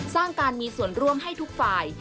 สร้างการมีส่วนร่วมให้ทุกฝ่าย